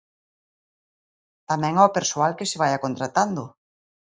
Tamén ao persoal que se vaia contratando.